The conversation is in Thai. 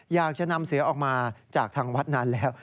อยากจะนำเสือออกมาจากทางวัดนานแล้ว